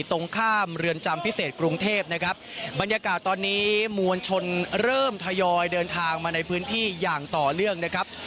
ตรงข้ามเรือนจำพิเศษกรุงเทพนะครับบรรยากาศตอนนี้มวลชนเริ่มทยอยเดินทางมาในพื้นที่อย่างต่อเนื่องนะครับ